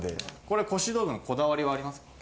これ腰道具のこだわりはありますか？